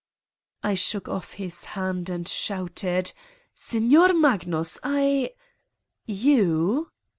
I shook off his hand and shouted: " Signor Magnus ! I ..." "You!"'